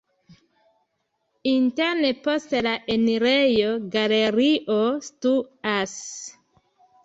Interne post la enirejo galerio situas.